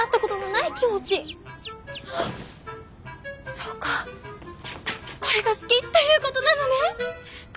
そうかこれが好きっていうことなのね！」。